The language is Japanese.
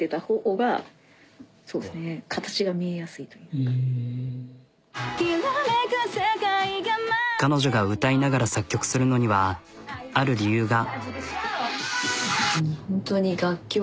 世界が待って彼女が歌いながら作曲するのにはある理由が。